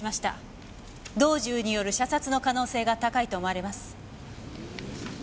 同銃による射殺の可能性が高いと思われます。